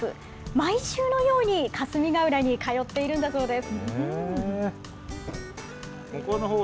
毎週のように霞ケ浦に通っているんだそうです。